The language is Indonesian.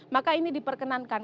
maka ini diperkenankan